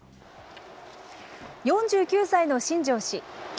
４９歳の新庄氏。